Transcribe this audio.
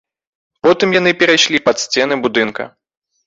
Потым яны перайшлі пад сцены будынка.